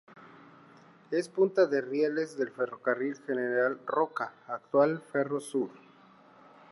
Es punta de rieles del Ferrocarril General Roca, actual Ferrosur.